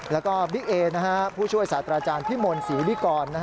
แล้วก็บิ๊กเอผู้ช่วยศาสตราจารย์พิมลศรีวิกร